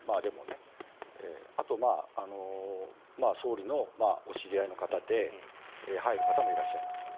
あとは、総理のお知り合いの方で入る方もいらっしゃいます。